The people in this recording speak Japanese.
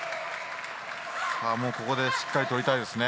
ここでしっかり取りたいですね。